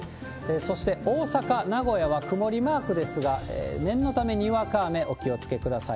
そして大阪、名古屋は曇りマークですが、念のため、にわか雨、お気をつけください。